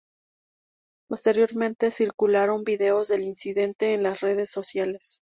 Posteriormente circularon vídeos del incidente en las redes sociales.